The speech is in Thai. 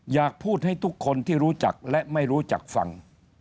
อยากพูดให้ทุกคนที่รู้จักและไม่รู้จักฟัง